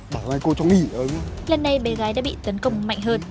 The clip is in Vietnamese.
lần này bé gái đã bị tấn công mạnh hơn